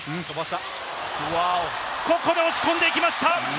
ここで押し込んでいきました。